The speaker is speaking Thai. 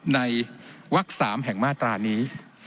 ในวักสามแห่งมาตรานี้